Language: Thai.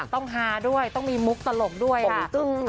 ต้องฮาด้วยต้องมีมุกตลกด้วยค่ะ